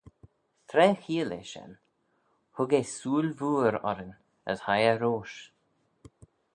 Tra cheayll eh shen hug eh sooill vooar orrin as hie eh roish.